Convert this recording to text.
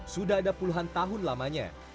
sudah ada puluhan tahun lamanya